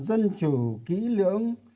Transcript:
dân chủ kỹ lưỡng